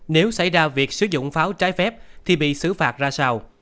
nếu xảy ra việc sử dụng pháo trái phép thì bị xử phạt ra sao